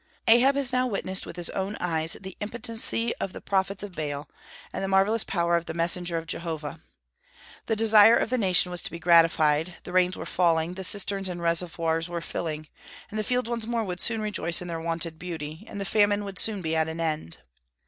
Ahab has now witnessed with his own eyes the impotency of the prophets of Baal, and the marvellous power of the messenger of Jehovah. The desire of the nation was to be gratified; the rains were falling, the cisterns and reservoirs were filling, and the fields once more would soon rejoice in their wonted beauty, and the famine would soon be at an end.